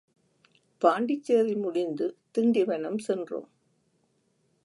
பாண்டிச்சேரி முடிந்து திண்டிவனம் சென்றோம்.